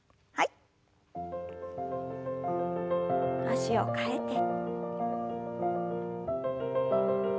脚を替えて。